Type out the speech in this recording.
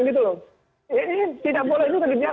tidak boleh itu dibiarkan